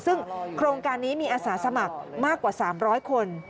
ซึ่งโครงการนี้มีอาสาสมัครมากกว่า๓๐๐คน